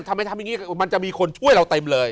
ทำไปทำอย่างนี้มันจะมีคนช่วยเราเต็มเลย